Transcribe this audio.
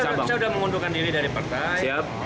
saya sudah mengundurkan diri dari partai